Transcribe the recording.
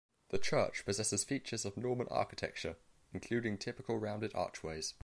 The church possesses features of Norman architecture, including typical rounded archways.